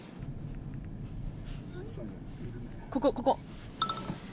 ここ、ここ。